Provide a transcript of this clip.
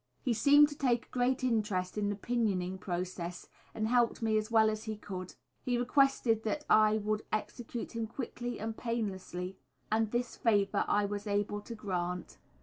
He seemed to take a great interest in the pinioning process, and helped me as well as he could. His request was that I would execute him quickly and painlessly, and this favour I was able to grant.